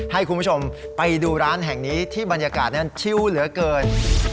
ให้คุณผู้ชมไปดูร้านแห่งนี้ที่บรรยากาศนั้นชิวเหลือเกิน